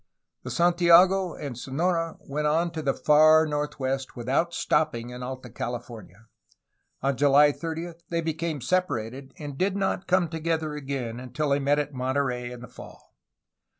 The Santiago and Sonora went on to the far northwest without stopping in Alta California. On July 30 they be came separated, and did not come together again until they met at Monterey in the fall.